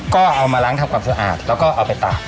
ก็เอามาล้างทำความสะอาดแล้วก็เอาไปตาก